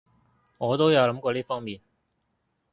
我都有諗過呢方面